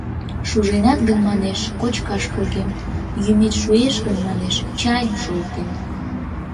Шуженат гын, манеш, кочкаш погем; йӱмет шуэш гын, манеш, чайым шолтем...